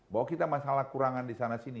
bahwa kita masalah kurangan di sana sini